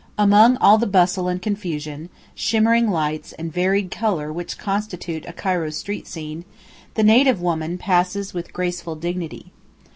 Among all the bustle and confusion, shimmering lights, and varied colour which constitute a Cairo street scene, the native woman passes with graceful dignity.